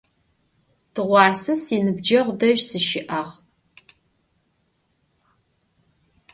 Tığuase sinıbceğu dej sışı'ağ.